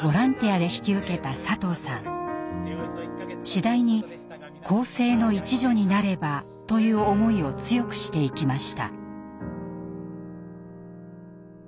次第に更生の一助になればという思いを強くしていきました。